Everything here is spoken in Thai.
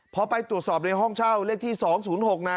พอไปตรวจสอบในห้องเช่าเลขที่๒๐๖นะ